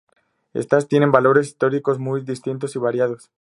Éstas tienen valores históricos muy distintos y variados.